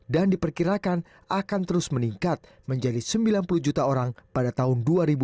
dan diperkirakan akan terus meningkat menjadi sembilan puluh juta orang pada tahun dua ribu dua puluh lima